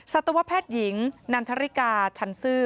สัตวแพทย์หญิงนันทริกาชันซื่อ